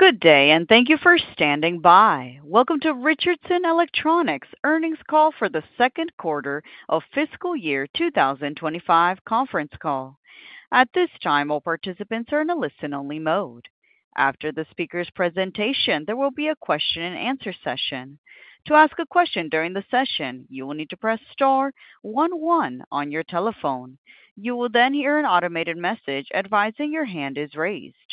Good day, and thank you for standing by. Welcome to Richardson Electronics' earnings call for the second quarter of fiscal year 2025 conference call. At this time, all participants are in a listen-only mode. After the speaker's presentation, there will be a question-and-answer session. To ask a question during the session, you will need to press star one one on your telephone. You will then hear an automated message advising your hand is raised.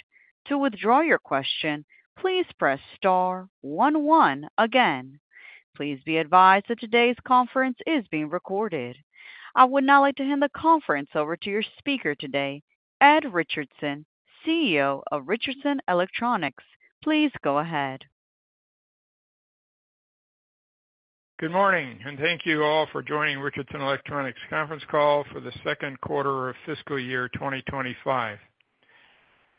To withdraw your question, please press star one one again. Please be advised that today's conference is being recorded. I would now like to hand the conference over to your speaker today, Ed Richardson, CEO of Richardson Electronics. Please go ahead. Good morning, and thank you all for joining Richardson Electronics' conference call for the second quarter of fiscal year 2025.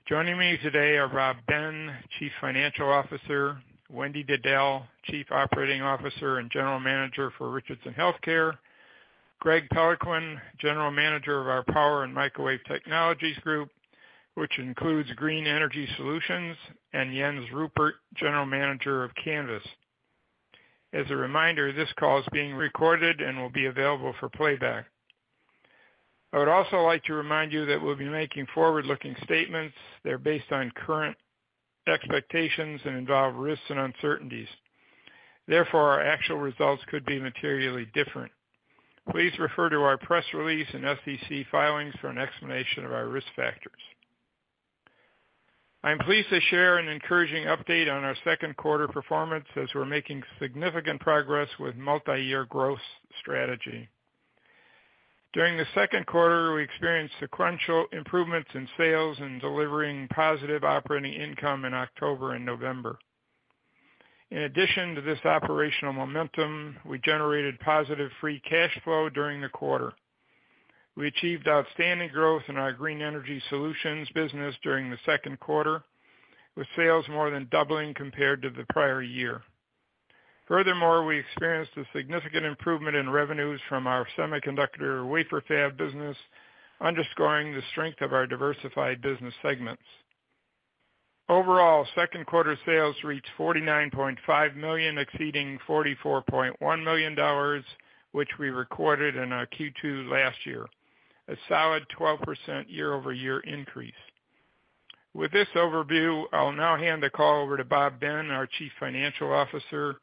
Joining me today are Bob Ben, Chief Financial Officer; Wendy Diddell, Chief Operating Officer and General Manager for Richardson Healthcare; Greg Peloquin, General Manager of our Power and Microwave Technologies Group, which includes Green Energy Solutions; and Jens Ruppert, General Manager of Canvys. As a reminder, this call is being recorded and will be available for playback. I would also like to remind you that we'll be making forward-looking statements. They're based on current expectations and involve risks and uncertainties. Therefore, our actual results could be materially different. Please refer to our press release and SEC filings for an explanation of our risk factors. I'm pleased to share an encouraging update on our second quarter performance as we're making significant progress with multi-year growth strategy. During the second quarter, we experienced sequential improvements in sales and delivering positive operating income in October and November. In addition to this operational momentum, we generated positive free cash flow during the quarter. We achieved outstanding growth in our Green Energy Solutions business during the second quarter, with sales more than doubling compared to the prior year. Furthermore, we experienced a significant improvement in revenues from our semiconductor wafer fab business, underscoring the strength of our diversified business segments. Overall, second quarter sales reached $49.5 million, exceeding $44.1 million, which we recorded in our Q2 last year, a solid 12% year-over-year increase. With this overview, I'll now hand the call over to Bob Ben, our Chief Financial Officer,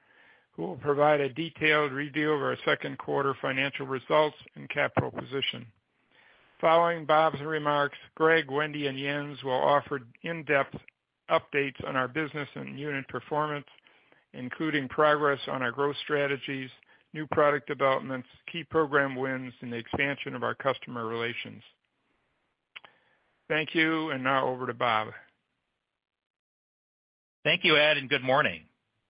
who will provide a detailed review of our second quarter financial results and capital position. Following Bob's remarks, Greg, Wendy, and Jens will offer in-depth updates on our business and unit performance, including progress on our growth strategies, new product developments, key program wins, and the expansion of our customer relations. Thank you, and now over to Bob. Thank you, Ed, and good morning.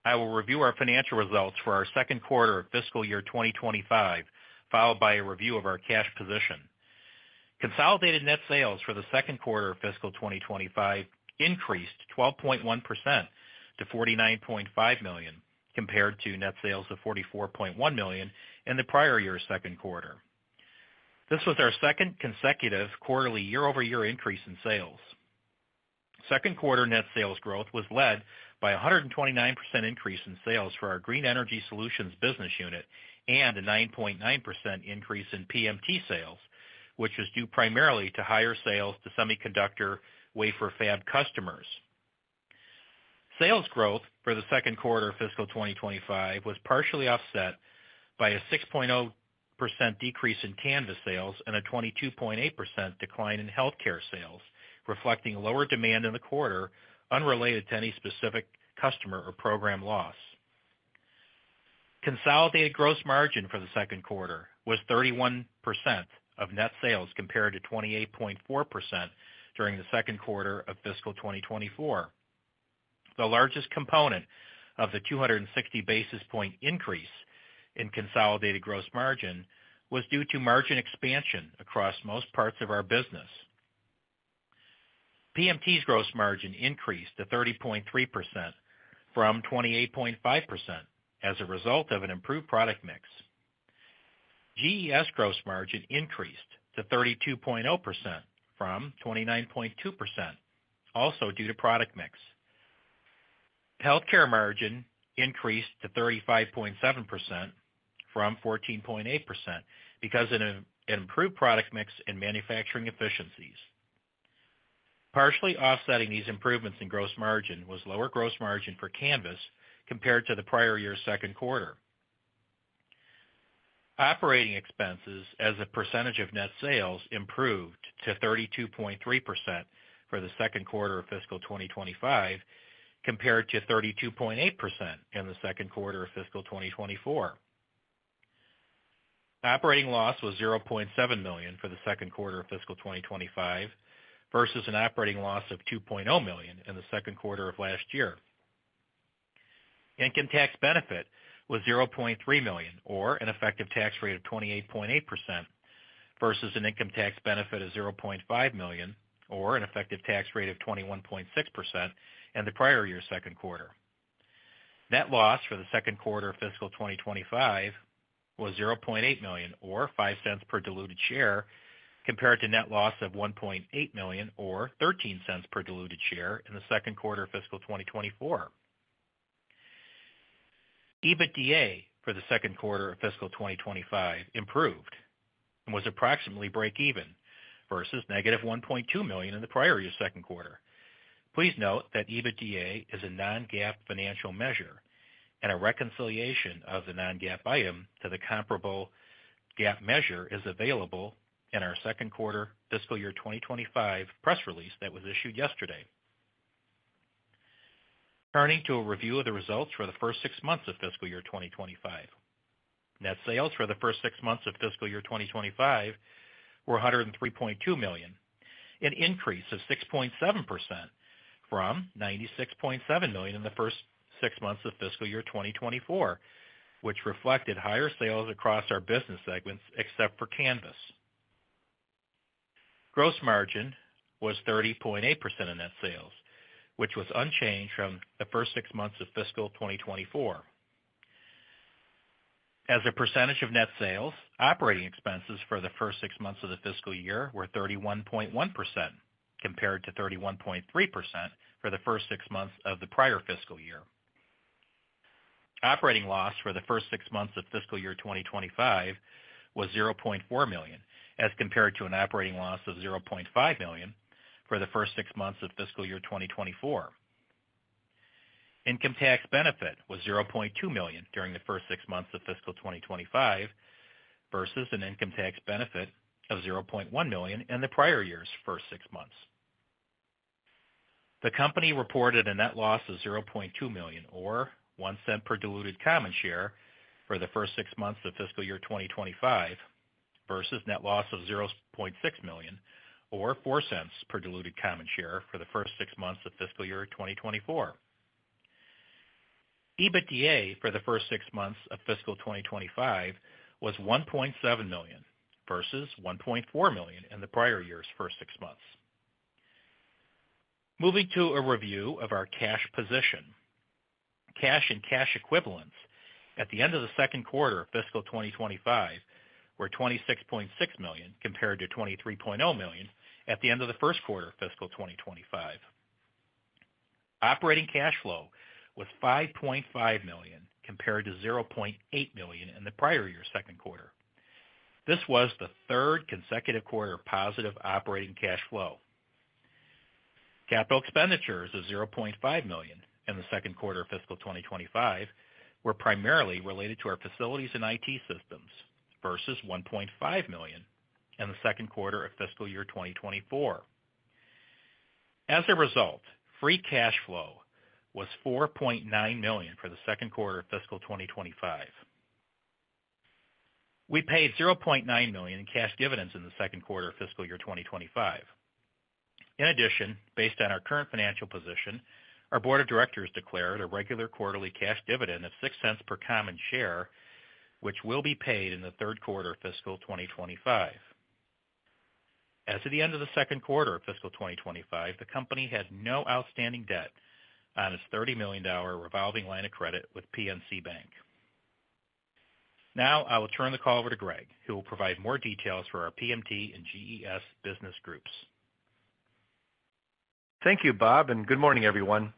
I will review our financial results for our second quarter of fiscal year 2025, followed by a review of our cash position. Consolidated net sales for the second quarter of fiscal 2025 increased 12.1% to $49.5 million, compared to net sales of $44.1 million in the prior year's second quarter. This was our second consecutive quarterly year-over-year increase in sales. Second quarter net sales growth was led by a 129% increase in sales for our Green Energy Solutions business unit and a 9.9% increase in PMT sales, which was due primarily to higher sales to semiconductor wafer fab customers. Sales growth for the second quarter of fiscal 2025 was partially offset by a 6.0% decrease in Canvys sales and a 22.8% decline in healthcare sales, reflecting lower demand in the quarter unrelated to any specific customer or program loss. Consolidated gross margin for the second quarter was 31% of net sales compared to 28.4% during the second quarter of fiscal 2024. The largest component of the 260 basis points increase in consolidated gross margin was due to margin expansion across most parts of our business. PMT's gross margin increased to 30.3% from 28.5% as a result of an improved product mix. GES gross margin increased to 32.0% from 29.2%, also due to product mix. Healthcare margin increased to 35.7% from 14.8% because of an improved product mix and manufacturing efficiencies. Partially offsetting these improvements in gross margin was lower gross margin for Canvys compared to the prior year's second quarter. Operating expenses as a percentage of net sales improved to 32.3% for the second quarter of fiscal 2025, compared to 32.8% in the second quarter of fiscal 2024. Operating loss was $0.7 million for the second quarter of fiscal 2025 versus an operating loss of $2.0 million in the second quarter of last year. Income tax benefit was $0.3 million, or an effective tax rate of 28.8%, versus an income tax benefit of $0.5 million, or an effective tax rate of 21.6% in the prior year's second quarter. Net loss for the second quarter of fiscal 2025 was $0.8 million, or $0.05 per diluted share, compared to net loss of $1.8 million, or $0.13 per diluted share in the second quarter of fiscal 2024. EBITDA for the second quarter of fiscal 2025 improved and was approximately break-even versus negative $1.2 million in the prior year's second quarter. Please note that EBITDA is a non-GAAP financial measure, and a reconciliation of the non-GAAP item to the comparable GAAP measure is available in our second quarter fiscal year 2025 press release that was issued yesterday. Turning to a review of the results for the first six months of fiscal year 2025, net sales for the first six months of fiscal year 2025 were $103.2 million, an increase of 6.7% from $96.7 million in the first six months of fiscal year 2024, which reflected higher sales across our business segments except for Canvys. Gross margin was 30.8% of net sales, which was unchanged from the first six months of fiscal 2024. As a percentage of net sales, operating expenses for the first six months of the fiscal year were 31.1%, compared to 31.3% for the first six months of the prior fiscal year. Operating loss for the first six months of fiscal year 2025 was $0.4 million, as compared to an operating loss of $0.5 million for the first six months of fiscal year 2024. Income tax benefit was $0.2 million during the first six months of fiscal 2025 versus an income tax benefit of $0.1 million in the prior year's first six months. The company reported a net loss of $0.2 million, or $0.01 per diluted common share for the first six months of fiscal year 2025, versus net loss of $0.6 million, or $0.04 per diluted common share for the first six months of fiscal year 2024. EBITDA for the first six months of fiscal 2025 was $1.7 million versus $1.4 million in the prior year's first six months. Moving to a review of our cash position. Cash and cash equivalents at the end of the second quarter of fiscal 2025 were $26.6 million compared to $23.0 million at the end of the first quarter of fiscal 2025. Operating cash flow was $5.5 million compared to $0.8 million in the prior year's second quarter. This was the third consecutive quarter of positive operating cash flow. Capital expenditures of $0.5 million in the second quarter of fiscal 2025 were primarily related to our facilities and IT systems versus $1.5 million in the second quarter of fiscal year 2024. As a result, free cash flow was $4.9 million for the second quarter of fiscal 2025. We paid $0.9 million in cash dividends in the second quarter of fiscal year 2025. In addition, based on our current financial position, our board of directors declared a regular quarterly cash dividend of $0.06 per common share, which will be paid in the third quarter of fiscal 2025. As of the end of the second quarter of fiscal 2025, the company had no outstanding debt on its $30 million revolving line of credit with PNC Bank. Now, I will turn the call over to Greg, who will provide more details for our PMT and GES business groups. Thank you, Bob, and good morning, everyone.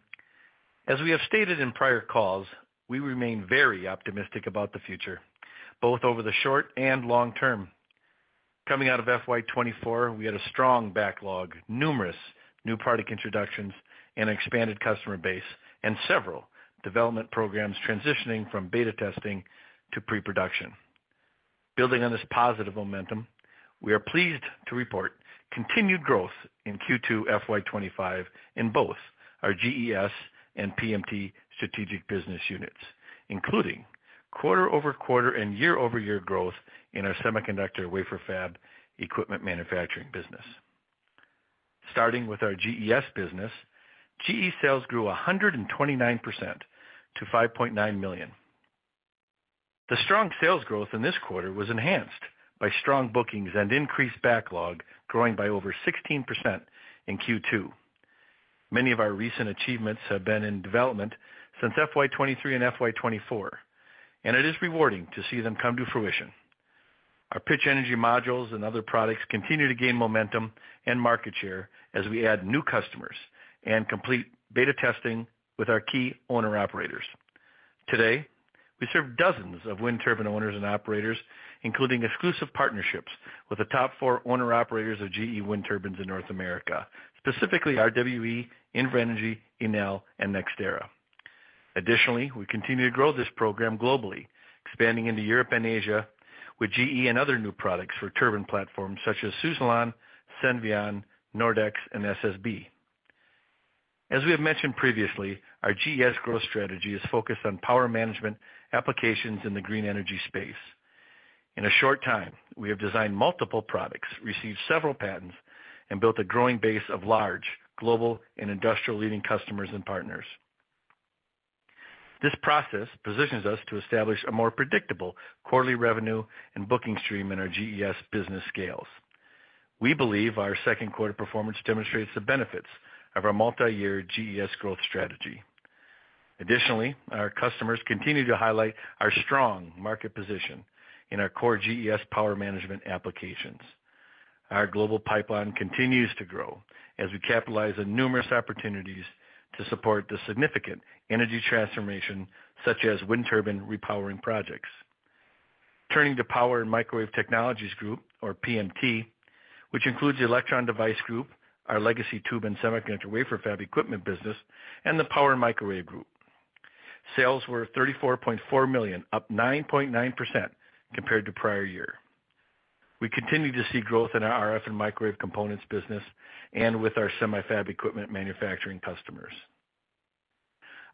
As we have stated in prior calls, we remain very optimistic about the future, both over the short and long term. Coming out of FY 2024, we had a strong backlog, numerous new product introductions and an expanded customer base, and several development programs transitioning from beta testing to pre-production. Building on this positive momentum, we are pleased to report continued growth in Q2 FY 2025 in both our GES and PMT strategic business units, including quarter-over-quarter and year-over-year growth in our semiconductor wafer fab equipment manufacturing business. Starting with our GES business, GES sales grew 129% to $5.9 million. The strong sales growth in this quarter was enhanced by strong bookings and increased backlog, growing by over 16% in Q2. Many of our recent achievements have been in development since FY 2023 and FY 2024, and it is rewarding to see them come to fruition. Our pitch energy modules and other products continue to gain momentum and market share as we add new customers and complete beta testing with our key owner-operators. Today, we serve dozens of wind turbine owners and operators, including exclusive partnerships with the top four owner-operators of GE wind turbines in North America, specifically RWE, Invenergy, Enel, and NextEra. Additionally, we continue to grow this program globally, expanding into Europe and Asia with GE and other new products for turbine platforms such as Suzlon, Senvion, Nordex, and SSB. As we have mentioned previously, our GES growth strategy is focused on power management applications in the green energy space. In a short time, we have designed multiple products, received several patents, and built a growing base of large, global, and industrial-leading customers and partners. This process positions us to establish a more predictable quarterly revenue and booking stream in our GES business scales. We believe our second quarter performance demonstrates the benefits of our multi-year GES growth strategy. Additionally, our customers continue to highlight our strong market position in our core GES power management applications. Our global pipeline continues to grow as we capitalize on numerous opportunities to support the significant energy transformation, such as wind turbine repowering projects. Turning to Power and Microwave Technologies Group, or PMT, which includes the electron device group, our legacy tube and semiconductor wafer fab equipment business, and the Power and Microwave Group. Sales were $34.4 million, up 9.9% compared to prior year. We continue to see growth in our RF and microwave components business and with our semi-fab equipment manufacturing customers.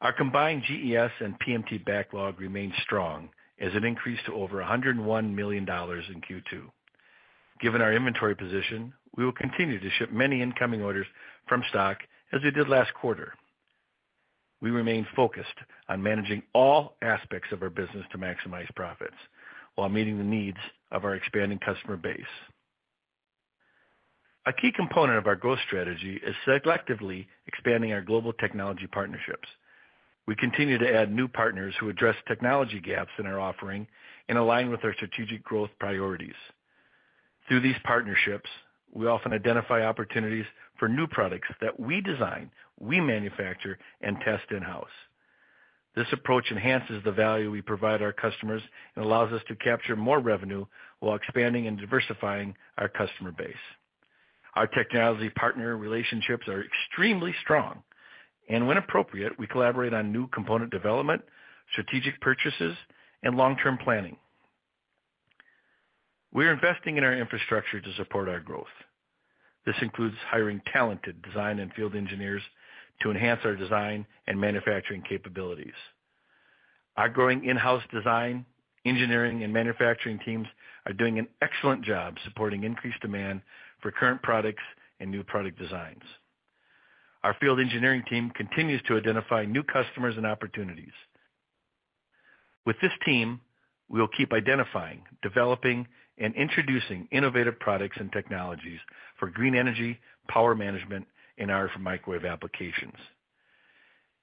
Our combined GES and PMT backlog remains strong as it increased to over $101 million in Q2. Given our inventory position, we will continue to ship many incoming orders from stock as we did last quarter. We remain focused on managing all aspects of our business to maximize profits while meeting the needs of our expanding customer base. A key component of our growth strategy is selectively expanding our global technology partnerships. We continue to add new partners who address technology gaps in our offering and align with our strategic growth priorities. Through these partnerships, we often identify opportunities for new products that we design, we manufacture, and test in-house. This approach enhances the value we provide our customers and allows us to capture more revenue while expanding and diversifying our customer base. Our technology partner relationships are extremely strong, and when appropriate, we collaborate on new component development, strategic purchases, and long-term planning. We are investing in our infrastructure to support our growth. This includes hiring talented design and field engineers to enhance our design and manufacturing capabilities. Our growing in-house design, engineering, and manufacturing teams are doing an excellent job supporting increased demand for current products and new product designs. Our field engineering team continues to identify new customers and opportunities. With this team, we will keep identifying, developing, and introducing innovative products and technologies for green energy, power management, and RF and microwave applications.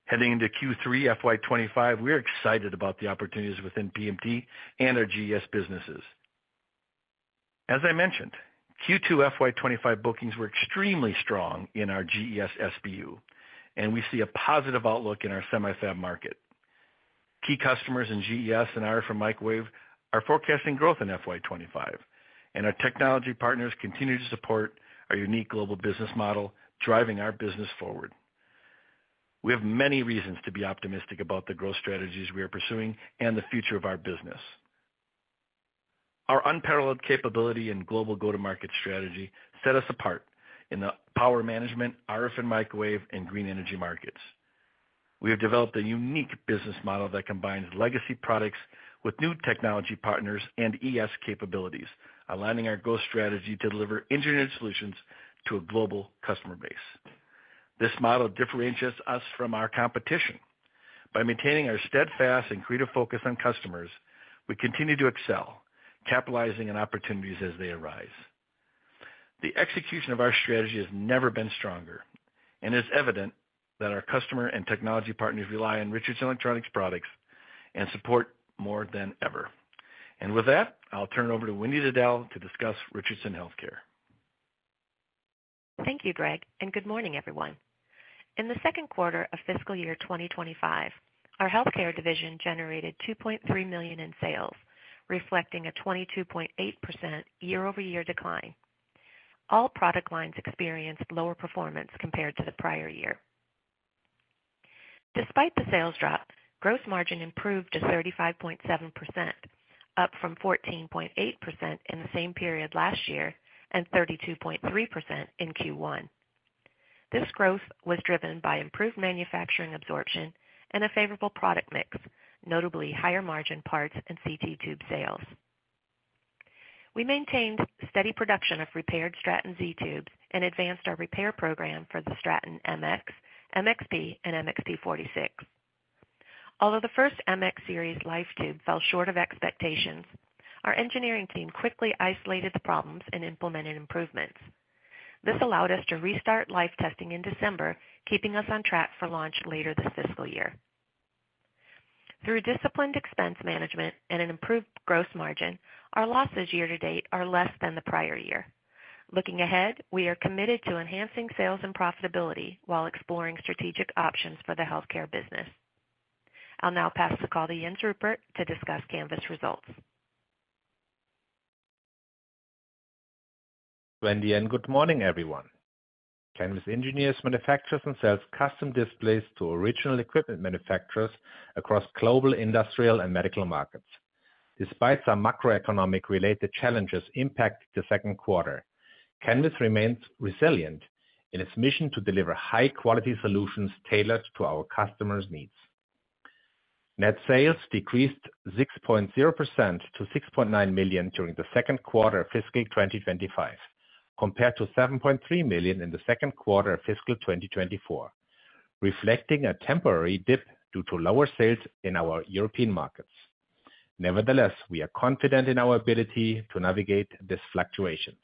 Heading into Q3 FY 2025, we are excited about the opportunities within PMT and our GES businesses. As I mentioned, Q2 FY 2025 bookings were extremely strong in our GES SBU, and we see a positive outlook in our semi-fab market. Key customers in GES and RF and microwave are forecasting growth in FY 2025, and our technology partners continue to support our unique global business model, driving our business forward. We have many reasons to be optimistic about the growth strategies we are pursuing and the future of our business. Our unparalleled capability and global go-to-market strategy set us apart in the power management, RF and microwave, and green energy markets. We have developed a unique business model that combines legacy products with new technology partners and ES capabilities, aligning our growth strategy to deliver engineered solutions to a global customer base. This model differentiates us from our competition. By maintaining our steadfast and creative focus on customers, we continue to excel, capitalizing on opportunities as they arise. The execution of our strategy has never been stronger, and it is evident that our customer and technology partners rely on Richardson Electronics products and support more than ever. And with that, I'll turn it over to Wendy Diddell to discuss Richardson Healthcare. Thank you, Greg, and good morning, everyone. In the second quarter of fiscal year 2025, our healthcare division generated $2.3 million in sales, reflecting a 22.8% year-over-year decline. All product lines experienced lower performance compared to the prior year. Despite the sales drop, gross margin improved to 35.7%, up from 14.8% in the same period last year and 32.3% in Q1. This growth was driven by improved manufacturing absorption and a favorable product mix, notably higher margin parts and CT tube sales. We maintained steady production of repaired Stratton Z tubes and advanced our repair program for the Stratton MX, MXP, and MXP46. Although the first MX series life tube fell short of expectations, our engineering team quickly isolated the problems and implemented improvements. This allowed us to restart life testing in December, keeping us on track for launch later this fiscal year. Through disciplined expense management and an improved gross margin, our losses year-to-date are less than the prior year. Looking ahead, we are committed to enhancing sales and profitability while exploring strategic options for the healthcare business. I'll now pass the call to Jens Ruppert to discuss Canvys results. Wendy and good morning, everyone. Canvys engineers, manufactures and sells custom displays to original equipment manufacturers across global industrial and medical markets. Despite some macroeconomic-related challenges impacting the second quarter, Canvys remains resilient in its mission to deliver high-quality solutions tailored to our customers' needs. Net sales decreased 6.0% to $6.9 million during the second quarter of fiscal 2025, compared to $7.3 million in the second quarter of fiscal 2024, reflecting a temporary dip due to lower sales in our European markets. Nevertheless, we are confident in our ability to navigate these fluctuations.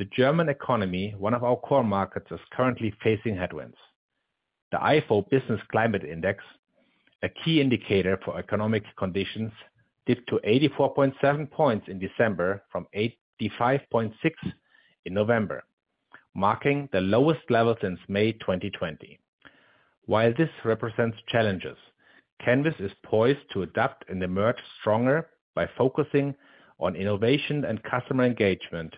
The German economy, one of our core markets, is currently facing headwinds. The IFO Business Climate Index, a key indicator for economic conditions, dipped to 84.7 points in December from 85.6 in November, marking the lowest level since May 2020. While this represents challenges, Canvys is poised to adapt and emerge stronger by focusing on innovation and customer engagement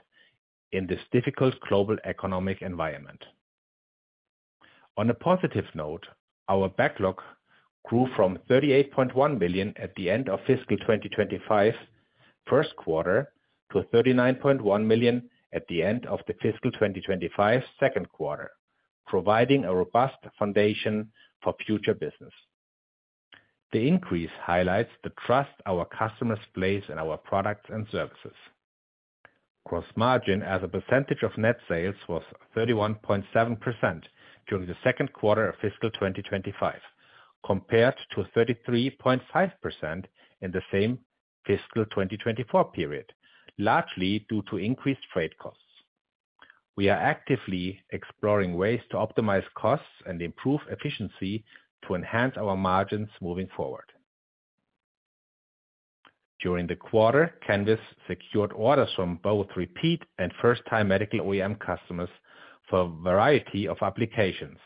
in this difficult global economic environment. On a positive note, our backlog grew from $38.1 million at the end of fiscal 2025 first quarter to $39.1 million at the end of fiscal 2025 second quarter, providing a robust foundation for future business. The increase highlights the trust our customers place in our products and services. Gross margin as a percentage of net sales was 31.7% during the second quarter of fiscal 2025, compared to 33.5% in the same fiscal 2024 period, largely due to increased freight costs. We are actively exploring ways to optimize costs and improve efficiency to enhance our margins moving forward. During the quarter, Canvys secured orders from both repeat and first-time medical OEM customers for a variety of applications.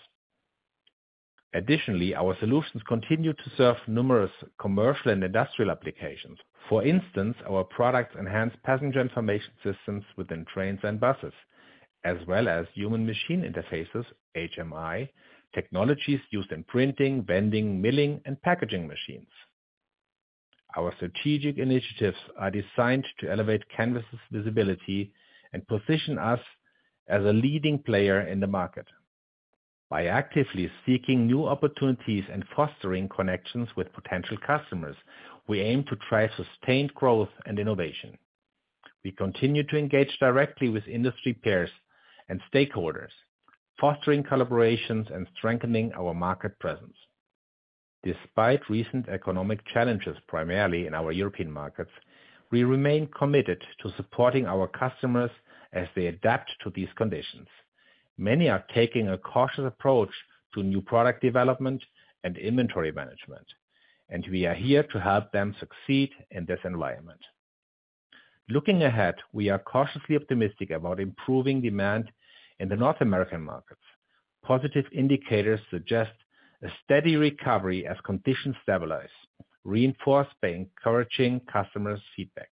Additionally, our solutions continue to serve numerous commercial and industrial applications. For instance, our products enhance passenger information systems within trains and buses, as well as human-machine interfaces (HMI) technologies used in printing, vending, milling, and packaging machines. Our strategic initiatives are designed to elevate Canvys's visibility and position us as a leading player in the market. By actively seeking new opportunities and fostering connections with potential customers, we aim to drive sustained growth and innovation. We continue to engage directly with industry peers and stakeholders, fostering collaborations and strengthening our market presence. Despite recent economic challenges, primarily in our European markets, we remain committed to supporting our customers as they adapt to these conditions. Many are taking a cautious approach to new product development and inventory management, and we are here to help them succeed in this environment. Looking ahead, we are cautiously optimistic about improving demand in the North America markets. Positive indicators suggest a steady recovery as conditions stabilize, reinforced by encouraging customers' feedback.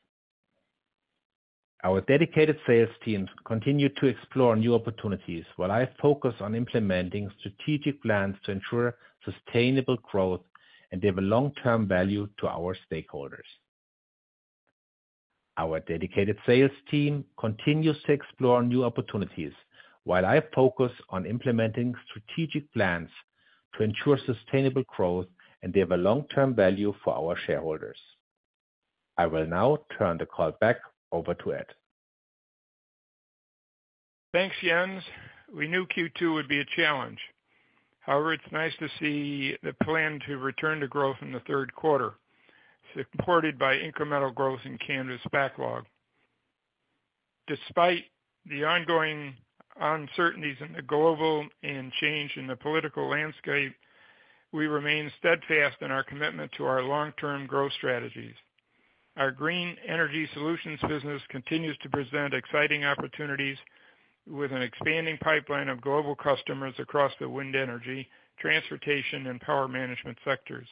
Our dedicated sales teams continue to explore new opportunities while I focus on implementing strategic plans to ensure sustainable growth and deliver long-term value to our stakeholders. Our dedicated sales team continues to explore new opportunities while I focus on implementing strategic plans to ensure sustainable growth and deliver long-term value for our shareholders. I will now turn the call back over to Ed. Thanks, Jens. We knew Q2 would be a challenge. However, it's nice to see the plan to return to growth in the third quarter, supported by incremental growth in Canvys backlog. Despite the ongoing uncertainties in the global and change in the political landscape, we remain steadfast in our commitment to our long-term growth strategies. Our green energy solutions business continues to present exciting opportunities with an expanding pipeline of global customers across the wind energy, transportation, and power management sectors.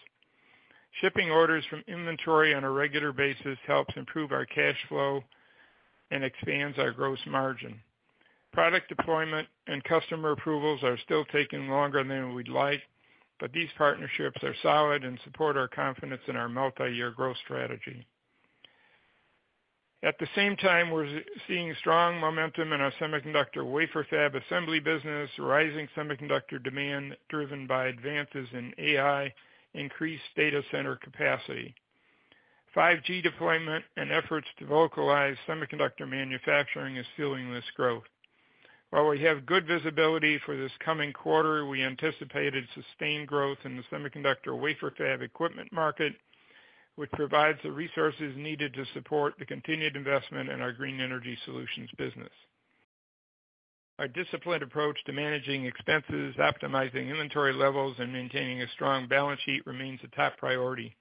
Shipping orders from inventory on a regular basis helps improve our cash flow and expands our gross margin. Product deployment and customer approvals are still taking longer than we'd like, but these partnerships are solid and support our confidence in our multi-year growth strategy. At the same time, we're seeing strong momentum in our semiconductor wafer fab assembly business, rising semiconductor demand driven by advances in AI, increased data center capacity, 5G deployment and efforts to localize semiconductor manufacturing are fueling this growth. While we have good visibility for this coming quarter, we anticipated sustained growth in the semiconductor wafer fab equipment market, which provides the resources needed to support the continued investment in our green energy solutions business. Our disciplined approach to managing expenses, optimizing inventory levels, and maintaining a strong balance sheet remains a top priority.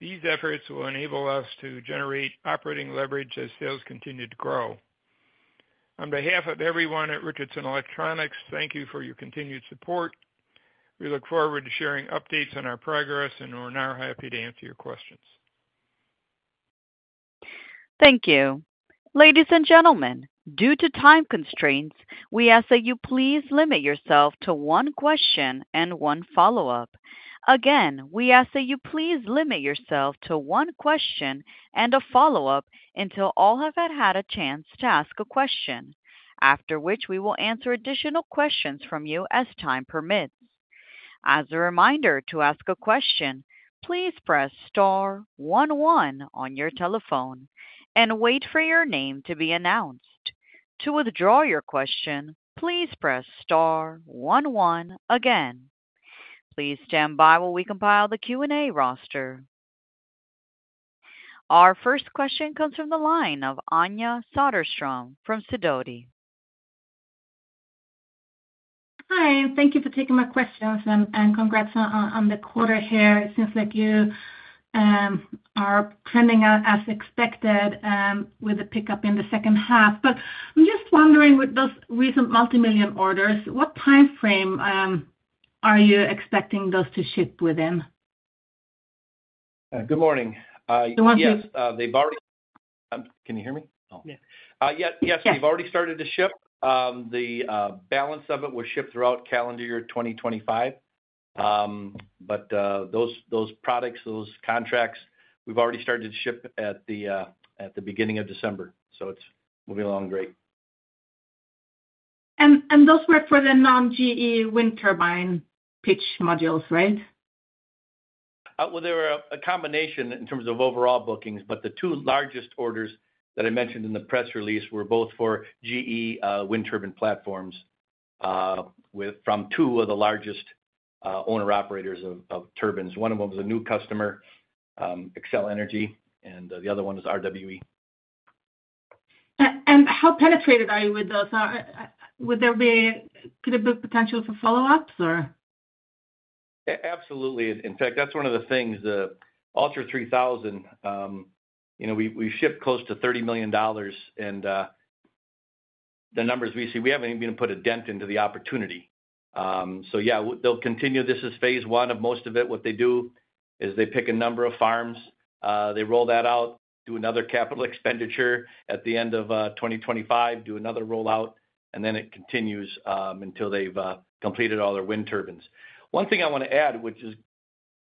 These efforts will enable us to generate operating leverage as sales continue to grow. On behalf of everyone at Richardson Electronics, thank you for your continued support. We look forward to sharing updates on our progress, and we're now happy to answer your questions. Thank you. Ladies and gentlemen, due to time constraints, we ask that you please limit yourself to one question and one follow-up. Again, we ask that you please limit yourself to one question and a follow-up until all have had a chance to ask a question, after which we will answer additional questions from you as time permits. As a reminder to ask a question, please press star one one on your telephone and wait for your name to be announced. To withdraw your question, please press star one one again. Please stand by while we compile the Q&A roster. Our first question comes from the line of Anja Soderstrom from Sidoti. Hi. Thank you for taking my questions and congrats on the quarter here. It seems like you are trending as expected with the pickup in the second half. But I'm just wondering, with those recent multi-million orders, what time frame are you expecting those to ship within? Good morning. Do you want to? Yes. They've already, can you hear me? Yes. Yes. We've already started to ship. The balance of it will ship throughout calendar year 2025. But those products, those contracts, we've already started to ship at the beginning of December. So it's moving along great. Those were for the non-GE wind turbine pitch modules, right? They were a combination in terms of overall bookings. But the two largest orders that I mentioned in the press release were both for GE wind turbine platforms from two of the largest owner-operators of turbines. One of them was a new customer, Xcel Energy, and the other one is RWE. How penetrated are you with those? Could there be a big potential for follow-ups, or? Absolutely. In fact, that's one of the things. The ULTRA3000, we shipped close to $30 million, and the numbers we see—we haven't even put a dent into the opportunity. So yeah, they'll continue. This is phase one of most of it. What they do is they pick a number of farms, they roll that out, do another capital expenditure at the end of 2025, do another rollout, and then it continues until they've completed all their wind turbines. One thing I want to add, which is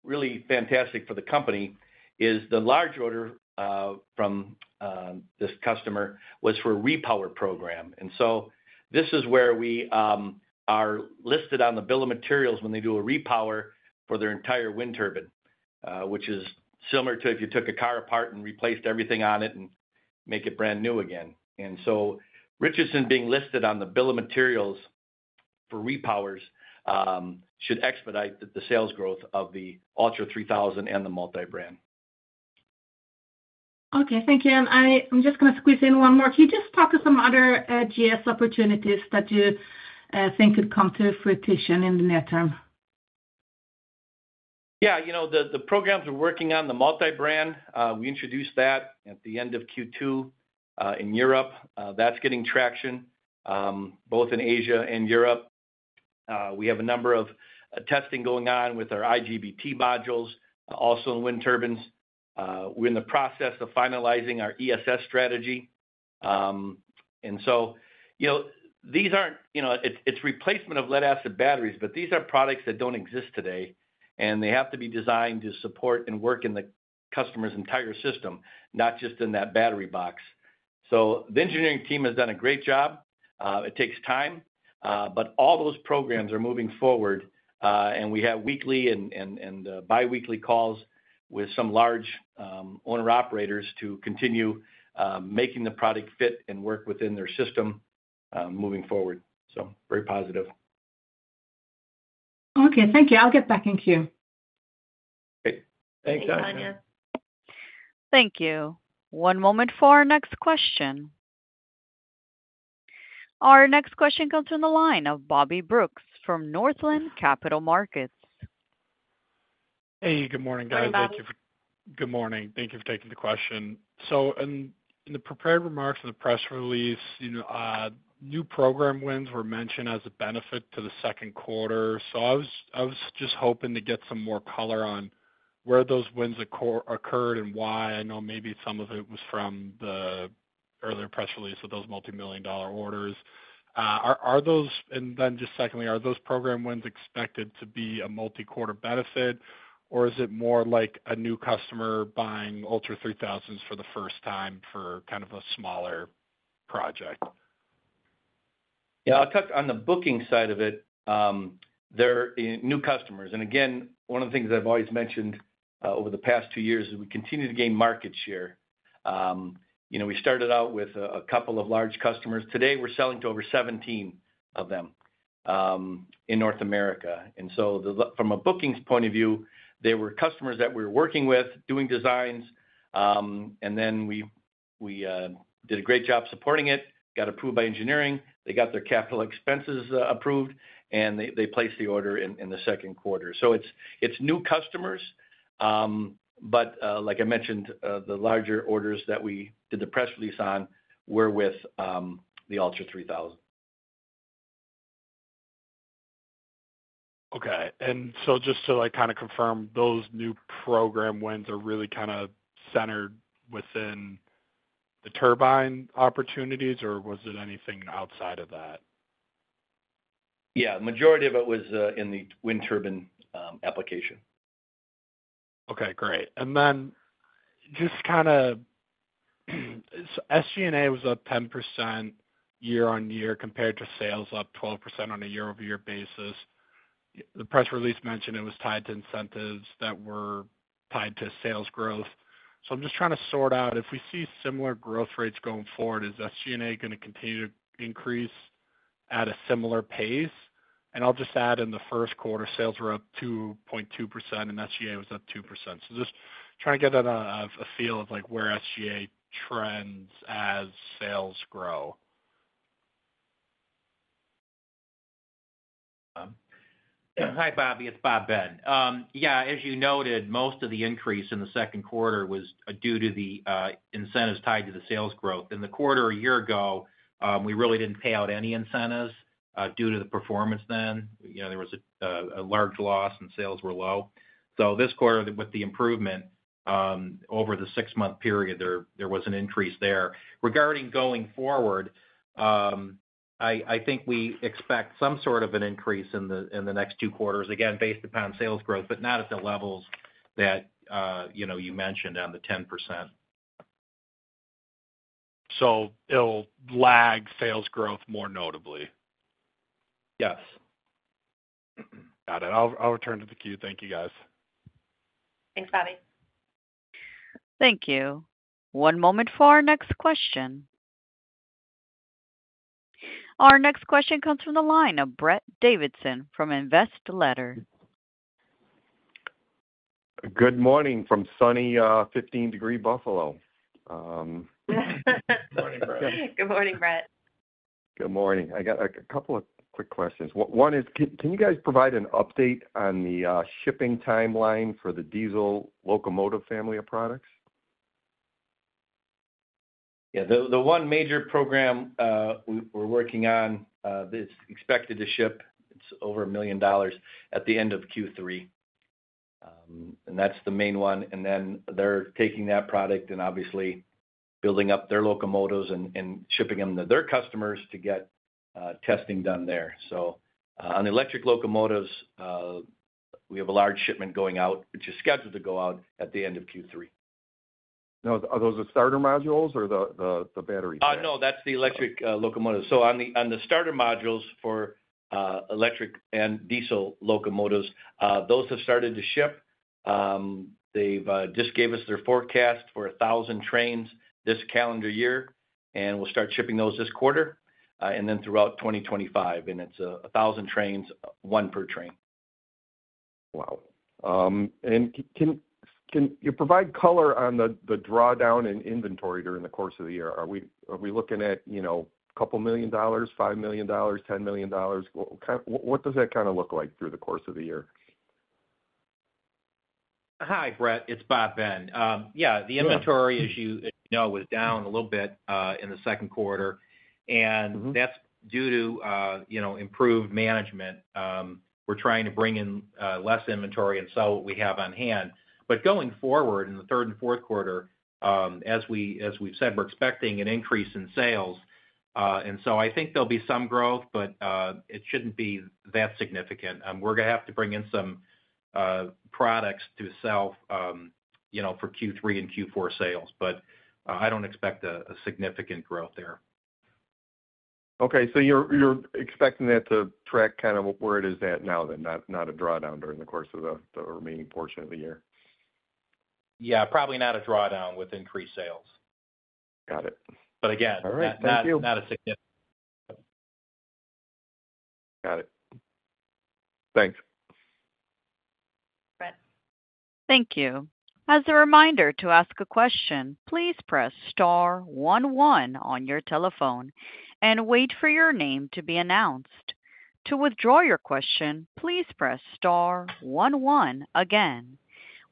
really fantastic for the company, is the large order from this customer was for a repower program, and so this is where we are listed on the bill of materials when they do a repower for their entire wind turbine, which is similar to if you took a car apart and replaced everything on it and made it brand new again. Richardson being listed on the bill of materials for repowering should expedite the sales growth of the ULTRA3000 and the multi-brand. Okay. Thank you, and I'm just going to squeeze in one more. Can you just talk to some other GS opportunities that you think could come to fruition in the near term? Yeah. The programs we're working on, the multi-brand, we introduced that at the end of Q2 in Europe. That's getting traction both in Asia and Europe. We have a number of testing going on with our IGBT modules, also in wind turbines. We're in the process of finalizing our ESS strategy. And so these aren't. It's replacement of lead-acid batteries, but these are products that don't exist today, and they have to be designed to support and work in the customer's entire system, not just in that battery box. So the engineering team has done a great job. It takes time, but all those programs are moving forward, and we have weekly and biweekly calls with some large owner-operators to continue making the product fit and work within their system moving forward. So very positive. Okay. Thank you. I'll get back in queue. Okay. Thanks, Anja. Thank you. One moment for our next question. Our next question comes from the line of Bobby Brooks from Northland Capital Markets. Hey. Good morning, guys. Good morning. Thank you for taking the question, so in the prepared remarks of the press release, new program wins were mentioned as a benefit to the second quarter, so I was just hoping to get some more color on where those wins occurred and why. I know maybe some of it was from the earlier press release of those multi-million-dollar orders, and then just secondly, are those program wins expected to be a multi-quarter benefit, or is it more like a new customer buying ULTRA3000s for the first time for kind of a smaller project? Yeah. I'll touch on the booking side of it. They're new customers. And again, one of the things I've always mentioned over the past two years is we continue to gain market share. We started out with a couple of large customers. Today, we're selling to over 17 of them in North America. And so from a bookings point of view, they were customers that we were working with, doing designs, and then we did a great job supporting it, got approved by engineering, they got their capital expenses approved, and they placed the order in the second quarter. So it's new customers, but like I mentioned, the larger orders that we did the press release on were with the ULTRA3000. Okay. And so just to kind of confirm, those new program wins are really kind of centered within the turbine opportunities, or was it anything outside of that? Yeah. The majority of it was in the wind turbine application. Okay. Great. And then just kind of SG&A was up 10% year-on-year compared to sales up 12% on a year-over-year basis. The press release mentioned it was tied to incentives that were tied to sales growth. So I'm just trying to sort out if we see similar growth rates going forward, is SG&A going to continue to increase at a similar pace? And I'll just add in the first quarter, sales were up 2.2% and SG&A was up 2%. So just trying to get a feel of where SG&A trends as sales grow. Hi, Bobby. It's Bob Ben. Yeah. As you noted, most of the increase in the second quarter was due to the incentives tied to the sales growth. In the quarter a year ago, we really didn't pay out any incentives due to the performance then. There was a large loss and sales were low. So this quarter, with the improvement over the six-month period, there was an increase there. Regarding going forward, I think we expect some sort of an increase in the next two quarters, again, based upon sales growth, but not at the levels that you mentioned on the 10%. It'll lag sales growth more notably? Yes. Got it. I'll return to the queue. Thank you, guys. Thanks, Bobby. Thank you. One moment for our next question. Our next question comes from the line of Brett Davidson from Investletter. Good morning from sunny 15 degrees Fahrenheit Buffalo. Good morning, Brett. Good morning. I got a couple of quick questions. One is, can you guys provide an update on the shipping timeline for the diesel locomotive family of products? Yeah. The one major program we're working on is expected to ship, it's over $1 million, at the end of Q3. And that's the main one. And then they're taking that product and obviously building up their locomotives and shipping them to their customers to get testing done there. So on electric locomotives, we have a large shipment going out, which is scheduled to go out at the end of Q3. Those are starter modules or the battery? No, that's the electric locomotives. So on the starter modules for electric and diesel locomotives, those have started to ship. They've just gave us their forecast for 1,000 trains this calendar year, and we'll start shipping those this quarter and then throughout 2025. And it's 1,000 trains, one per train. Wow. And can you provide color on the drawdown in inventory during the course of the year? Are we looking at $2 million, $5 million, $10 million? What does that kind of look like through the course of the year? Hi, Brett. It's Bob Ben. Yeah. The inventory, as you know, was down a little bit in the second quarter, and that's due to improved management. We're trying to bring in less inventory and sell what we have on hand. But going forward in the third and fourth quarter, as we've said, we're expecting an increase in sales. And so I think there'll be some growth, but it shouldn't be that significant. We're going to have to bring in some products to sell for Q3 and Q4 sales, but I don't expect a significant growth there. Okay. So you're expecting that to track kind of where it is at now, then not a drawdown during the course of the remaining portion of the year? Yeah. Probably not a drawdown with increased sales. Got it. But again All right. Thank you. Not a significant. Got it. Thanks. Thank you. As a reminder to ask a question, please press star one one on your telephone and wait for your name to be announced. To withdraw your question, please press star one one again.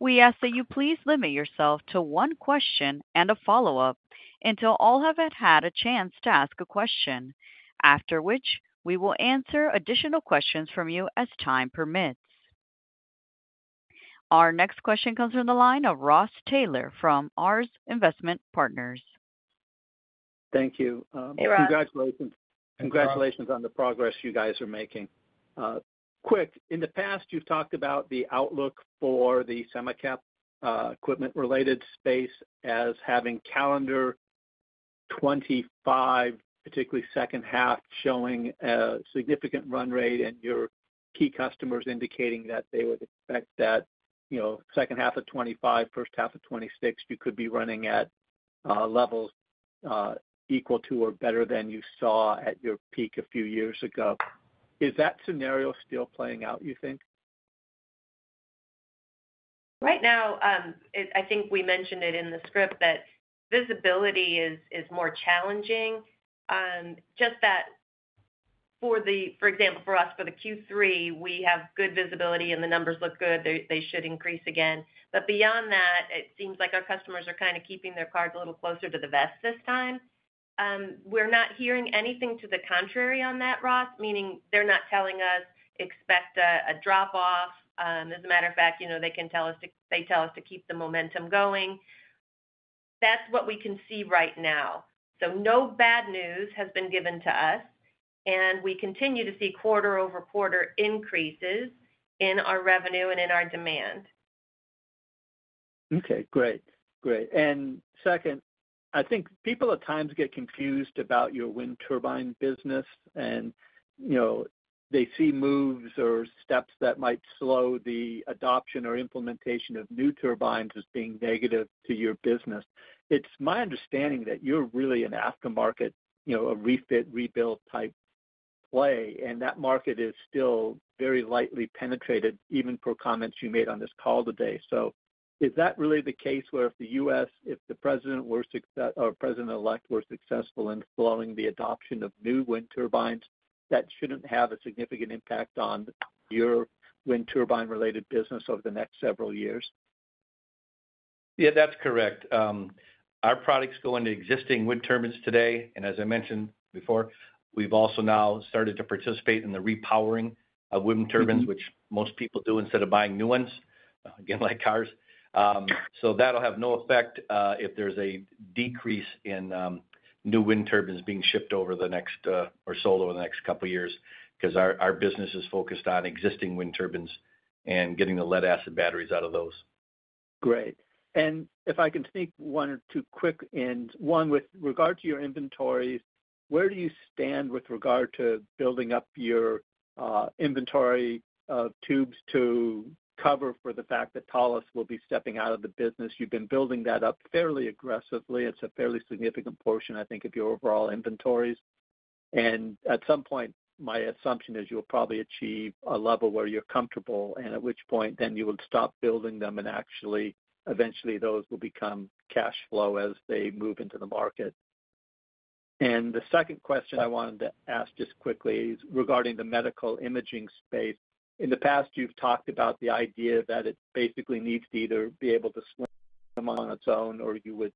We ask that you please limit yourself to one question and a follow-up until all have had a chance to ask a question, after which we will answer additional questions from you as time permits. Our next question comes from the line of Ross Taylor from ARS Investment Partners. Thank you Hey, Ross. Congratulations on the progress you guys are making. Quick. In the past, you've talked about the outlook for the semicap equipment-related space as having calendar 2025, particularly second half, showing a significant run rate and your key customers indicating that they would expect that second half of 2025, first half of 2026, you could be running at levels equal to or better than you saw at your peak a few years ago. Is that scenario still playing out, you think? Right now, I think we mentioned it in the script that visibility is more challenging. Just that, for example, for us, for the Q3, we have good visibility and the numbers look good. They should increase again. But beyond that, it seems like our customers are kind of keeping their cards a little closer to the vest this time. We're not hearing anything to the contrary on that, Ross, meaning they're not telling us, "Expect a drop-off." As a matter of fact, they tell us to keep the momentum going. That's what we can see right now. So no bad news has been given to us, and we continue to see quarter-over-quarter increases in our revenue and in our demand. Okay. Great. Great. And second, I think people at times get confused about your wind turbine business, and they see moves or steps that might slow the adoption or implementation of new turbines as being negative to your business. It's my understanding that you're really an aftermarket, a refit, rebuild type play, and that market is still very lightly penetrated, even per comments you made on this call today. So is that really the case where if the U.S., if the president or president-elect were successful in slowing the adoption of new wind turbines, that shouldn't have a significant impact on your wind turbine-related business over the next several years? Yeah, that's correct. Our products go into existing wind turbines today. And as I mentioned before, we've also now started to participate in the repowering of wind turbines, which most people do instead of buying new ones, again, like ours. So that'll have no effect if there's a decrease in new wind turbines being shipped over the next or sold over the next couple of years because our business is focused on existing wind turbines and getting the lead-acid batteries out of those. Great. And if I can sneak one or two quick ones, one with regard to your inventories, where do you stand with regard to building up your inventory of tubes to cover for the fact that Thales will be stepping out of the business? You've been building that up fairly aggressively. It's a fairly significant portion, I think, of your overall inventories. And at some point, my assumption is you'll probably achieve a level where you're comfortable, and at which point then you will stop building them and actually, eventually, those will become cash flow as they move into the market. And the second question I wanted to ask just quickly is regarding the medical imaging space. In the past, you've talked about the idea that it basically needs to either be able to swim on its own or you would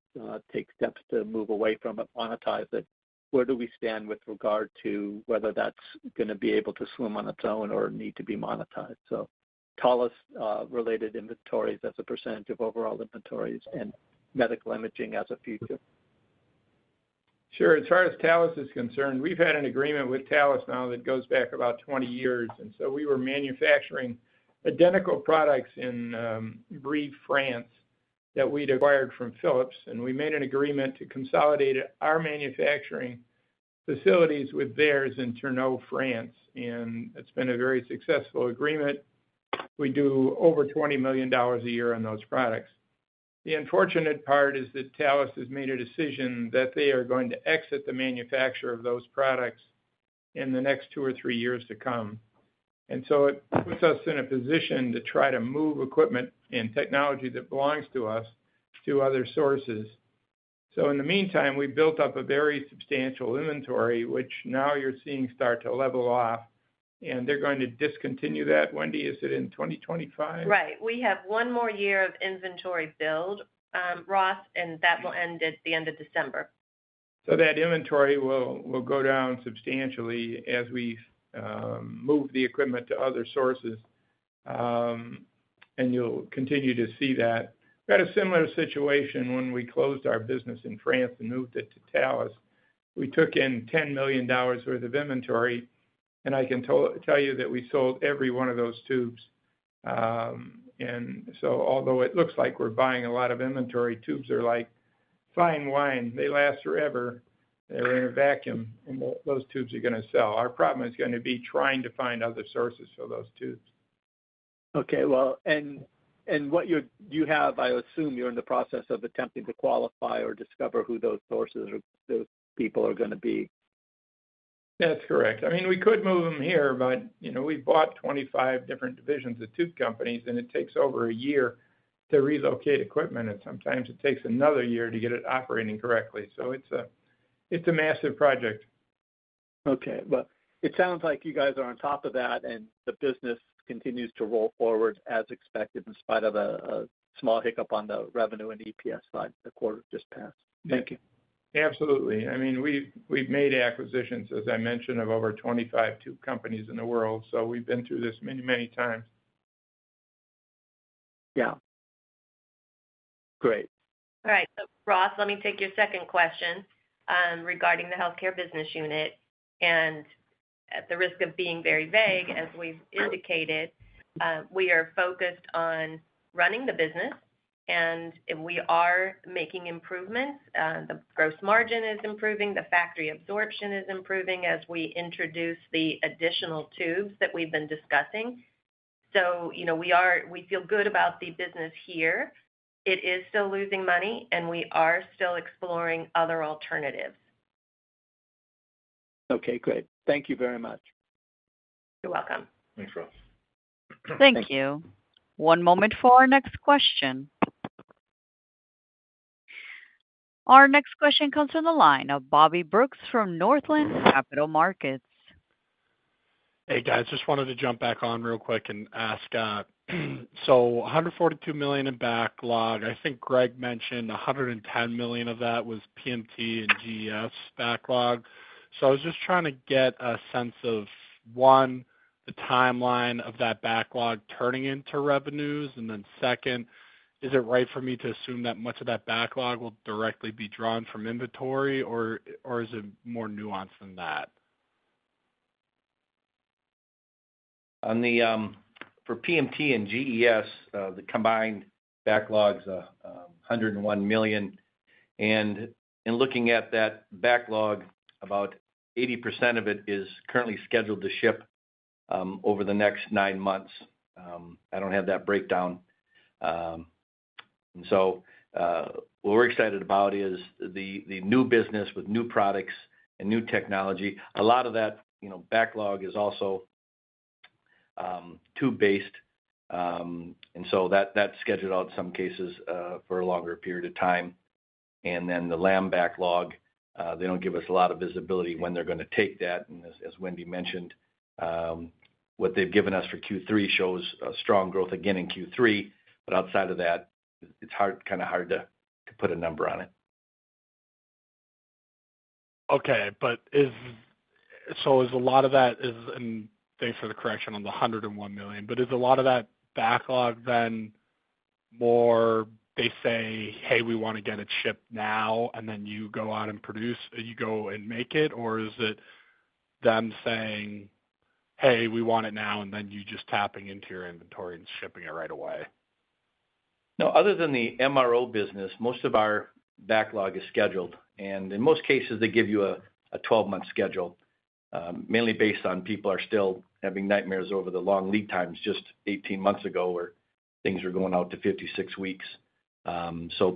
take steps to move away from it, monetize it. Where do we stand with regard to whether that's going to be able to swim on its own or need to be monetized? So Thales-related inventories as a percentage of overall inventories and medical imaging as a future? Sure. As far as Thales is concerned, we've had an agreement with Thales now that goes back about 20 years. And so we were manufacturing identical products in Brive, France that we'd acquired from Philips. And we made an agreement to consolidate our manufacturing facilities with theirs in Thonon, France. And it's been a very successful agreement. We do over $20 million a year on those products. The unfortunate part is that Thales has made a decision that they are going to exit the manufacture of those products in the next two or three years to come. And so it puts us in a position to try to move equipment and technology that belongs to us to other sources. So in the meantime, we built up a very substantial inventory, which now you're seeing start to level off. And they're going to discontinue that. Wendy, is it in 2025? Right. We have one more year of inventory build, Ross, and that will end at the end of December. So that inventory will go down substantially as we move the equipment to other sources, and you'll continue to see that. We had a similar situation when we closed our business in France and moved it to Thales. We took in $10 million worth of inventory, and I can tell you that we sold every one of those tubes. And so although it looks like we're buying a lot of inventory, tubes are like fine wine. They last forever. They're in a vacuum, and those tubes are going to sell. Our problem is going to be trying to find other sources for those tubes. Okay, well, and what you have, I assume you're in the process of attempting to qualify or discover who those sources or those people are going to be. That's correct. I mean, we could move them here, but we bought 25 different divisions of tube companies, and it takes over a year to relocate equipment, and sometimes it takes another year to get it operating correctly. So it's a massive project. Okay. Well, it sounds like you guys are on top of that, and the business continues to roll forward as expected in spite of a small hiccup on the revenue and EPS side the quarter just passed. Thank you. Absolutely. I mean, we've made acquisitions, as I mentioned, of over 25 tube companies in the world. So we've been through this many, many times. Yeah. Great. All right. So Russ, let me take your second question regarding the healthcare business unit, and at the risk of being very vague, as we've indicated, we are focused on running the business, and we are making improvements. The gross margin is improving. The factory absorption is improving as we introduce the additional tubes that we've been discussing, so we feel good about the business here. It is still losing money, and we are still exploring other alternatives. Okay. Great. Thank you very much. You're welcome. Thanks, Ross. Thank you. One moment for our next question. Our next question comes from the line of Bobby Brooks from Northland Capital Markets. Hey, guys. Just wanted to jump back on real quick and ask. So $142 million in backlog. I think Greg mentioned $110 million of that was PMT and GES backlog. So I was just trying to get a sense of, one, the timeline of that backlog turning into revenues. And then second, is it right for me to assume that much of that backlog will directly be drawn from inventory, or is it more nuanced than that? For PMT and GES, the combined backlog is $101 million. In looking at that backlog, about 80% of it is currently scheduled to ship over the next nine months. I don't have that breakdown, so what we're excited about is the new business with new products and new technology. A lot of that backlog is also tube-based, and so that's scheduled out in some cases for a longer period of time, then the Lam backlog. They don't give us a lot of visibility when they're going to take that. As Wendy mentioned, what they've given us for Q3 shows strong growth again in Q3, but outside of that, it's kind of hard to put a number on it. Okay. So a lot of that is, and thanks for the correction on the $101 million, but is a lot of that backlog then more they say, "Hey, we want to get it shipped now," and then you go out and produce, you go and make it? Or is it them saying, "Hey, we want it now," and then you just tapping into your inventory and shipping it right away? No, other than the MRO business, most of our backlog is scheduled. In most cases, they give you a 12-month schedule, mainly based on people still having nightmares over the long lead times just 18 months ago where things were going out to 56 weeks.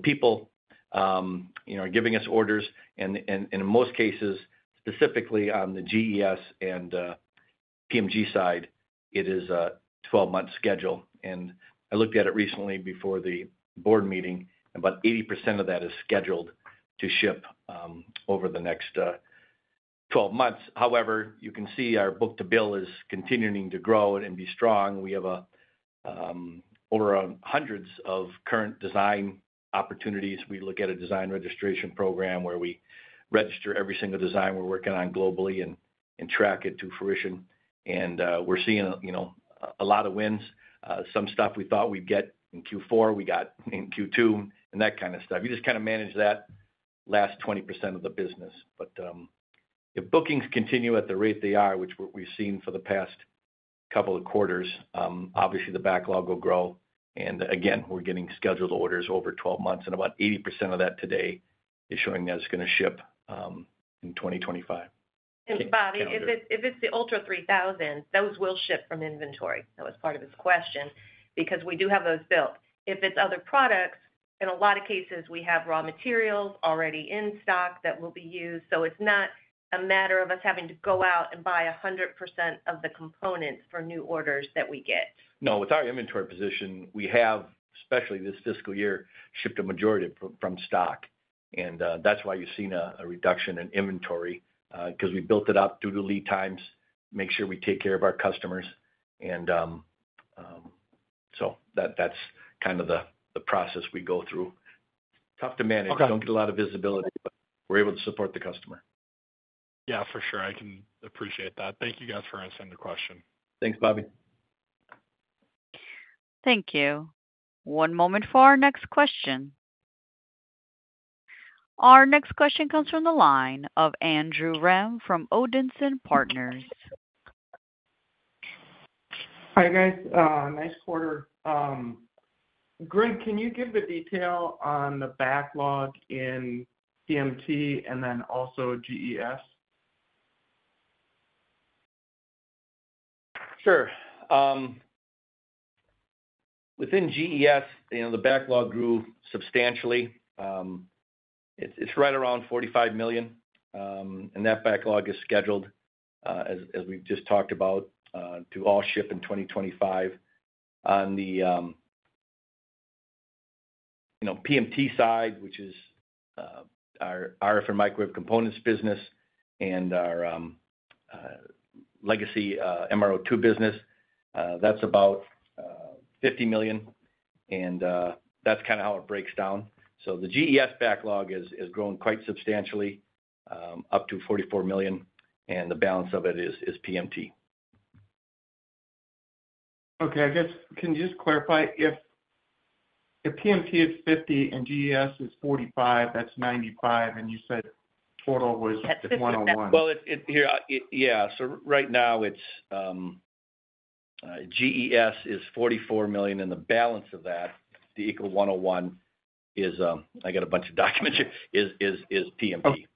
People are giving us orders. In most cases, specifically on the GES and PMT side, it is a 12-month schedule. I looked at it recently before the board meeting, and about 80% of that is scheduled to ship over the next 12 months. However, you can see our book-to-bill is continuing to grow and be strong. We have over hundreds of current design opportunities. We look at a design registration program where we register every single design we're working on globally and track it to fruition. We're seeing a lot of wins. Some stuff we thought we'd get in Q4, we got in Q2, and that kind of stuff. You just kind of manage that last 20% of the business. But if bookings continue at the rate they are, which we've seen for the past couple of quarters, obviously the backlog will grow. And again, we're getting scheduled orders over 12 months, and about 80% of that today is showing that it's going to ship in 2025. And Bobby, if it's the Ultra 3000, those will ship from inventory. That was part of his question because we do have those built. If it's other products, in a lot of cases, we have raw materials already in stock that will be used. So it's not a matter of us having to go out and buy 100% of the components for new orders that we get. No, with our inventory position, we have, especially this fiscal year, shipped a majority from stock. And that's why you've seen a reduction in inventory because we built it up due to lead times, make sure we take care of our customers. And so that's kind of the process we go through. Tough to manage. Don't get a lot of visibility, but we're able to support the customer. Yeah, for sure. I can appreciate that. Thank you guys for answering the question. Thanks, Bobby. Thank you. One moment for our next question. Our next question comes from the line of Andrew Rem from Odinson Partners. Hi guys. Nice quarter. Greg, can you give the detail on the backlog in PMT and then also GES? Sure. Within GES, the backlog grew substantially. It's right around $45 million, and that backlog is scheduled, as we've just talked about, to all ship in 2025. On the PMT side, which is our RF and microwave components business and our legacy MRO tube business, that's about $50 million. And that's kind of how it breaks down. So the GES backlog has grown quite substantially, up to $44 million, and the balance of it is PMT. Okay. I guess, can you just clarify if PMT is 50 and GES is 45, that's 95, and you said total was 101? Yeah. So right now, GES is $44 million, and the balance of that, the total $101 is. I got a bunch of documents. Is PMT.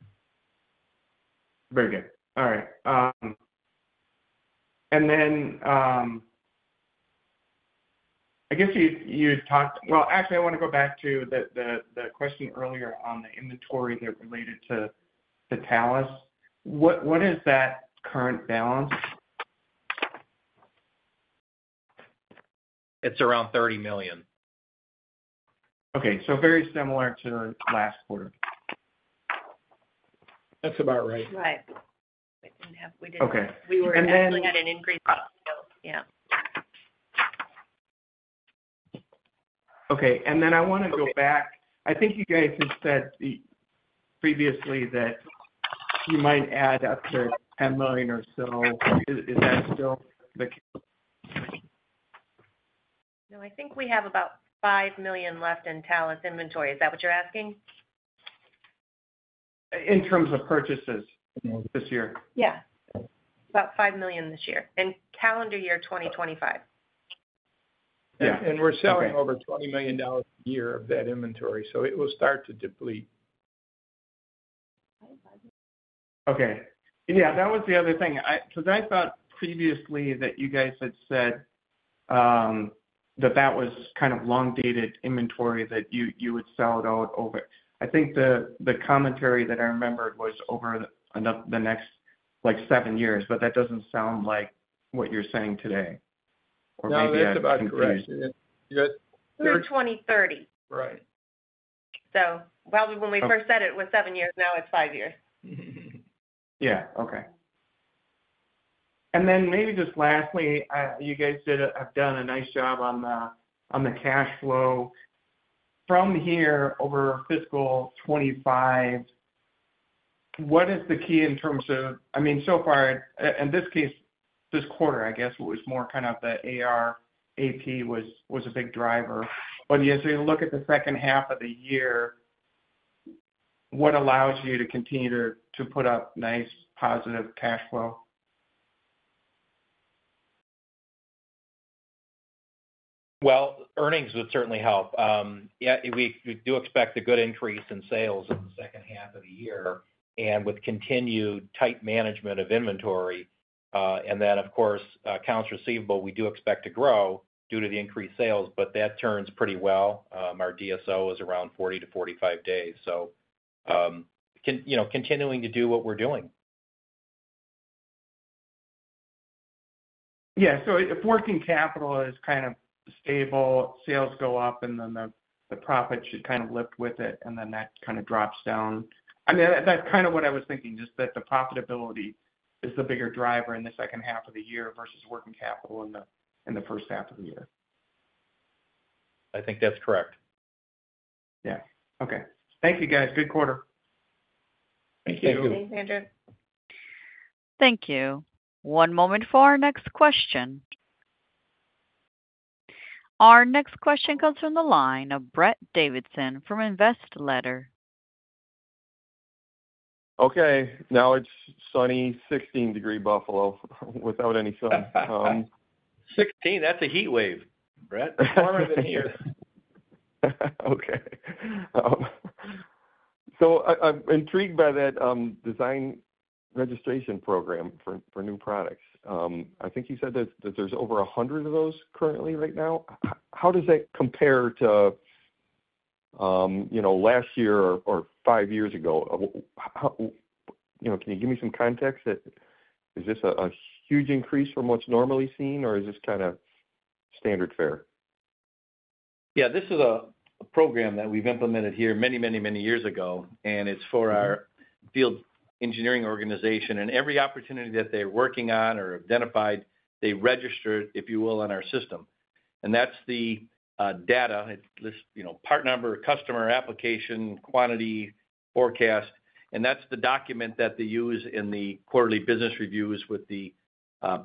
Very good. All right. And then I guess you had talked, well, actually, I want to go back to the question earlier on the inventory that related to Thales. What is that current balance? It's around $30 million. Okay, so very similar to last quarter. That's about right We didn't have. We were actually at an increase of sales. Yeah. Okay. And then I want to go back. I think you guys had said previously that you might add up to $10 million or so. Is that still the case? No, I think we have about $5 million left in Thales inventory. Is that what you're asking? In terms of purchases this year? Yeah. About $5 million this year. And calendar year 2025. Yeah, and we're selling over $20 million a year of that inventory, so it will start to deplete. Okay. Yeah. That was the other thing. Because I thought previously that you guys had said that that was kind of long-dated inventory, that you would sell it out over. I think the commentary that I remembered was over the next seven years, but that doesn't sound like what you're saying today. Or maybe that's incorrect Through 2030. Right. So probably when we first said it was seven years, now it's five years. Yeah. Okay. And then maybe just lastly, you guys have done a nice job on the cash flow. From here, over fiscal 2025, what is the key in terms of, I mean, so far, in this case, this quarter, I guess, was more kind of the AR/AP was a big driver. But as you look at the second half of the year, what allows you to continue to put up nice positive cash flow? Earnings would certainly help. We do expect a good increase in sales in the second half of the year. With continued tight management of inventory, and then, of course, accounts receivable, we do expect to grow due to the increased sales, but that turns pretty well. Our DSO is around 40-45 days. Continuing to do what we're doing. Yeah. So if working capital is kind of stable, sales go up, and then the profit should kind of lift with it, and then that kind of drops down. I mean, that's kind of what I was thinking, just that the profitability is the bigger driver in the second half of the year versus working capital in the first half of the year. I think that's correct. Yeah. Okay. Thank you, guys. Good quarter. Thank you. Thank you, Andrew. Thank you. One moment for our next question. Our next question comes from the line of Brett Davidson from Investletter. Okay. Now it's sunny, 16 degrees Fahrenheit Buffalo without any sun. 16? That's a heat wave, Brett. It's warmer than here. Okay. So I'm intrigued by that design registration program for new products. I think you said that there's over 100 of those currently right now. How does that compare to last year or five years ago? Can you give me some context? Is this a huge increase from what's normally seen, or is this kind of standard fare? Yeah. This is a program that we've implemented here many, many, many years ago, and it's for our field engineering organization. And every opportunity that they're working on or identified, they register, if you will, on our system. And that's the data: part number, customer, application, quantity, forecast. And that's the document that they use in the quarterly business reviews with the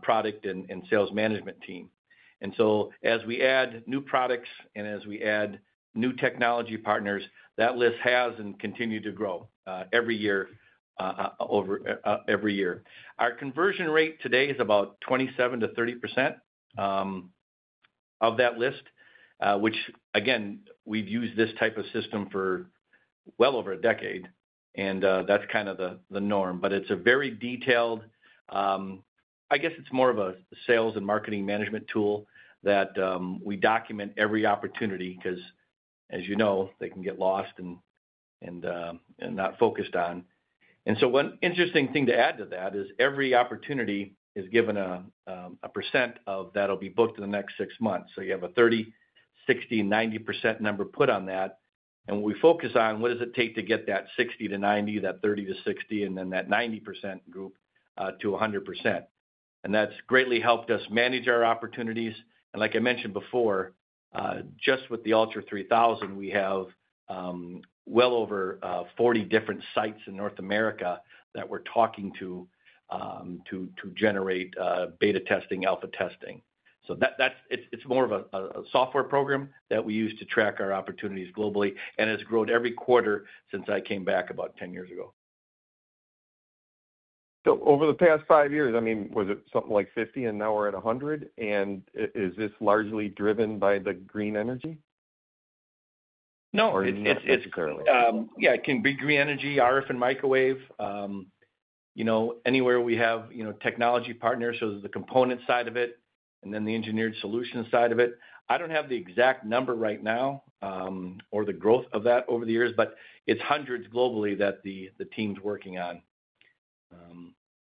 product and sales management team. And so as we add new products and as we add new technology partners, that list has and continued to grow every year over every year. Our conversion rate today is about 27%-30% of that list, which, again, we've used this type of system for well over a decade, and that's kind of the norm. It's a very detailed. I guess it's more of a sales and marketing management tool that we document every opportunity because, as you know, they can get lost and not focused on. And so one interesting thing to add to that is every opportunity is given a % of that will be booked in the next six months. So you have a 30, 60, 90% number put on that. And what we focus on, what does it take to get that 60 to 90, that 30 to 60, and then that 90% group to 100%? And that's greatly helped us manage our opportunities. And like I mentioned before, just with the ULTRA3000, we have well over 40 different sites in North America that we're talking to to generate beta testing, alpha testing. So it's more of a software program that we use to track our opportunities globally and has grown every quarter since I came back about 10 years ago. Over the past five years, I mean, was it something like 50, and now we're at 100? Is this largely driven by the green energy? No. It's currently. Yeah. It can be green energy, RF and microwave. Anywhere we have technology partners, so there's the component side of it and then the engineered solution side of it. I don't have the exact number right now or the growth of that over the years, but it's hundreds globally that the team's working on.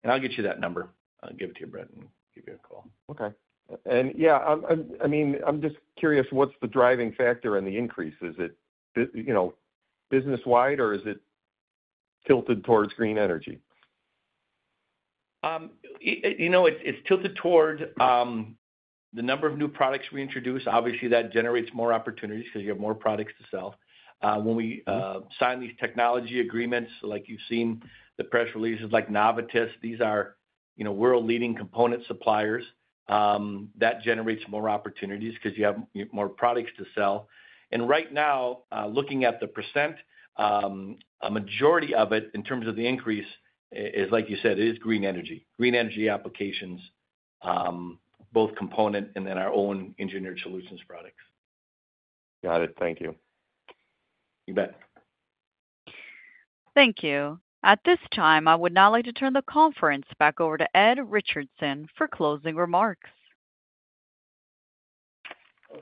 I'll get you that number. I'll give it to you, Brett, and give you a call. Okay. And yeah, I mean, I'm just curious, what's the driving factor in the increase? Is it business-wide, or is it tilted towards green energy? It's tilted towards the number of new products we introduce. Obviously, that generates more opportunities because you have more products to sell. When we sign these technology agreements, like you've seen the press releases, like Navitas, these are world-leading component suppliers. That generates more opportunities because you have more products to sell. Right now, looking at the percent, a majority of it, in terms of the increase, is, like you said, it is green energy. Green energy applications, both component and then our own engineered solutions products. Got it. Thank you. You bet. Thank you. At this time, I would now like to turn the conference back over to Ed Richardson for closing remarks.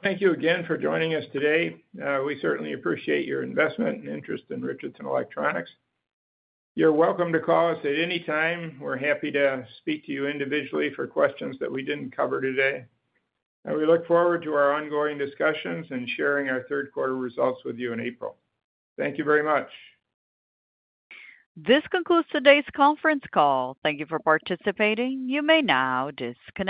Thank you again for joining us today. We certainly appreciate your investment and interest in Richardson Electronics. You're welcome to call us at any time. We're happy to speak to you individually for questions that we didn't cover today. And we look forward to our ongoing discussions and sharing our third quarter results with you in April. Thank you very much. This concludes today's conference call. Thank you for participating. You may now disconnect.